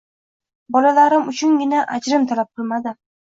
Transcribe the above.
Bolalarim uchungina ajrim talab qilmadim